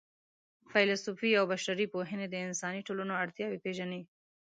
فېلسوفي او بشري پوهنې د انساني ټولنو اړتیاوې پېژني.